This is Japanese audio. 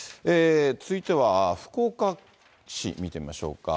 続いては福岡市見てみましょうか。